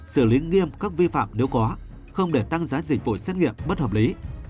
xử lý nghiêm các vi phạm nếu có không để tăng giá dịch vụ xét nghiệm bất hợp lý